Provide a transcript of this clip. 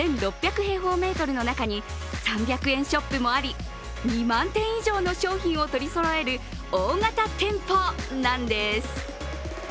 平方メートルの中に３００円ショップもあり、２万点以上の商品を取りそろえる大型店舗なんです。